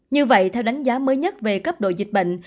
như vậy theo đánh giá mới nhất về cấp độ dịch bệnh